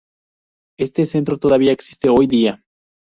Este centro todavía existe hoy día.